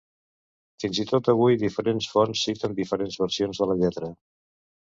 Fins i tot avui diferents fonts citen diferents versions de la lletra.